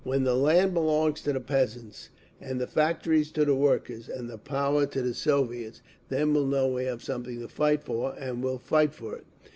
"When the land belongs to the peasants, and the factories to the workers, and the power to the Soviets, then we'll know we have something to fight for, and we'll fight for it!"